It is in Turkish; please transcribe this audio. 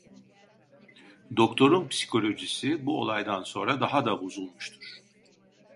Doktor'un psikolojisi bu olaydan sonra daha'da bozulmuştur.